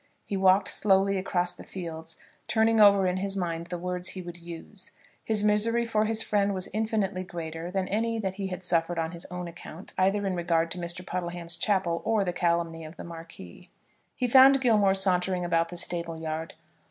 He walked slowly across the fields, turning over in his own mind the words he would use. His misery for his friend was infinitely greater than any that he had suffered on his own account, either in regard to Mr. Puddleham's chapel or the calumny of the Marquis. He found Gilmore sauntering about the stable yard.